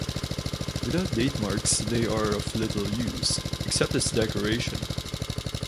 Without date marks, they are of little use, except as decoration.